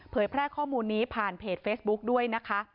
แพร่ข้อมูลนี้ผ่านเพจเฟซบุ๊กด้วยนะคะ